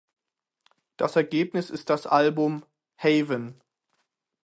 Das Ergebnis ist das Album "Haven".